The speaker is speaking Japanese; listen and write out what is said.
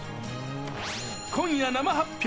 今夜生発表！